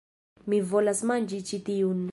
Mi volas manĝi ĉi tiun